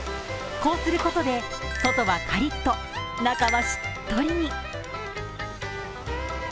こうすることで、外はカリッと中はしっとりに。